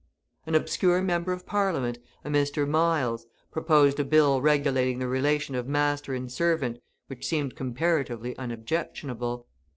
An obscure member of Parliament, a Mr. Miles, proposed a bill regulating the relation of master and servant which seemed comparatively unobjectionable.